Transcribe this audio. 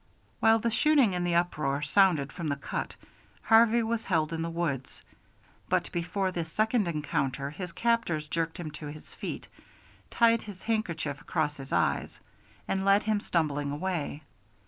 While the shooting and the uproar sounded from the cut Harvey was held in the woods, but before the second encounter his captors jerked him to his feet, tied his handkerchief across his eyes, and led him stumbling away.